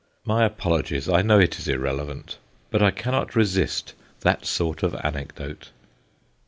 (My apolo gies : I know it is irrelevant, but I cannot resist that sort of anecdote.)